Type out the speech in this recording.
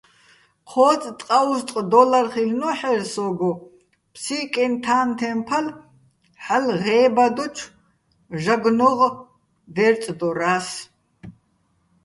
ჴო́წ ტყაუზტყ დო́ლარ ხილ'ნო́ჰ̦ერ სო́გო, "ფსიკეჼ-თანთეჼ ფალ" ჰ̦ალო̆ ღე́ბადოჩო̆ ჟაგნოღ დე́რწდორა́ს.